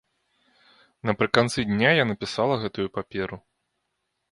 Напрыканцы дня я напісала гэтую паперу.